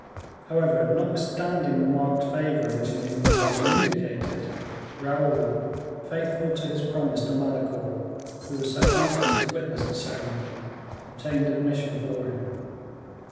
However, notwithstanding the marked favor which an invitation indicated, Raoul, faithful to his promise to Malicorne, who was so anxious to witness the ceremony, obtained admission for him.